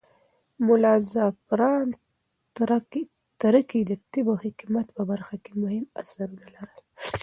ملا زعفران تره کى د طب او حکمت په برخه کې مهم اثرونه لرل.